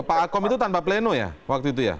pak akom itu tanpa pleno ya waktu itu ya